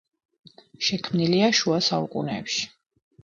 შექმნილია შუა საუკუნეებში.